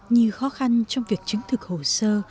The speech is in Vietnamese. như khó khăn trong việc chứng thực hồ sơ